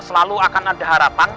selalu akan ada harapan